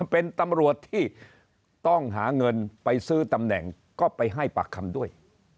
เป็นตำรวจที่ต้องหาเงินไปซื้อตำแหน่งก็ไปให้ปากคำด้วย